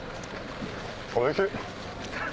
おいしい！